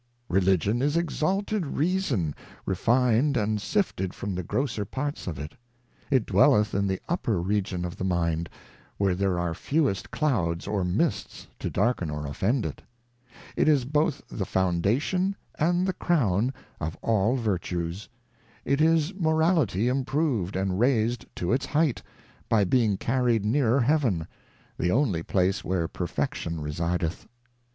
Religion is exalted Reason, refin'd and sifted from the grosser parts of it : It dwelleth in the upper Region of the Mind, where there are fewest Clouds or Mists to darken or offend it : It is both the Foundation and the Crown of all Vertues : It is Morality improv'd and rais'd to its height, by being carried nearer Heaven, the only place where Perfection resideth.